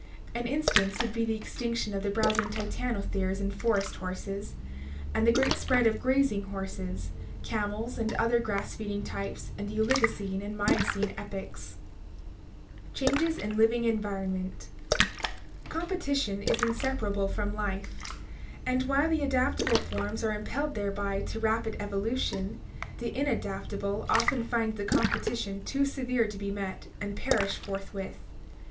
An instance would be the extinction of the browsing titanotheres and forest horses and the great spread of grazing horses, camels, and other grass feeding types in the Oligocene and Miocene epochs. Changes in Living Environment. — Competition is inseparable RECAPITULATION, RACIAL OLD AGE 227 from life, and while the adaptable forms are impelled thereby to rapid evolution, the inadaptable often find the competition too severe to be met and perish forthwith.